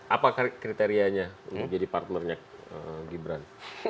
apa kriterianya untuk jadi partnernya gibran